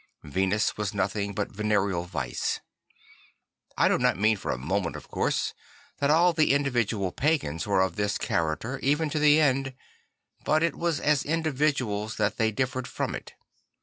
Venus was nothing but venereal vice. I do not mean for a moment, of course, that all the individual pagans were of this character even to the end; but it was as individuals that they differed from it.